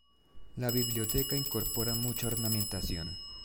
La biblioteca incorpora mucha ornamentación.